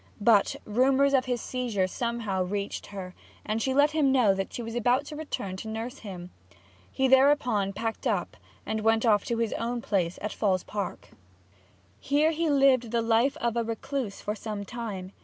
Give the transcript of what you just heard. But rumours of his seizure somehow reached her, and she let him know that she was about to return to nurse him. He thereupon packed up and went off to his own place at Falls Park. Here he lived the life of a recluse for some time.